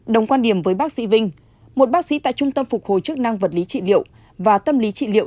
đồng quan điểm với bác sĩ vinh một bác sĩ tại trung tâm phục hồi chức năng vật lý trị liệu và tâm lý trị liệu